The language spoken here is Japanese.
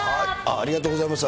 ありがとうございます。